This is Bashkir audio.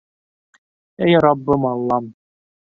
Эй раббым-аллам!